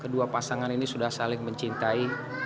kedua pasangan ini sudah saling mencintai